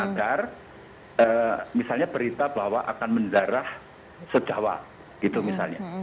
agar misalnya berita bahwa akan mendarah sedawa gitu misalnya